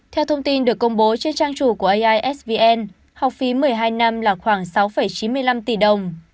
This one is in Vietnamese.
theo thông tin được công bố trên trang chủ của aisvn học phí một mươi hai năm là khoảng sáu chín mươi năm tỷ đồng